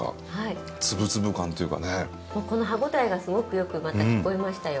この歯ごたえがすごくよく聞こえましたよ。